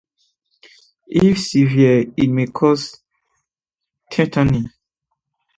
If severe, it may cause tetany.